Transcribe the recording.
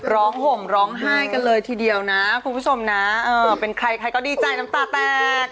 ห่มร้องไห้กันเลยทีเดียวนะคุณผู้ชมนะเผื่อเป็นใครใครก็ดีใจน้ำตาแตก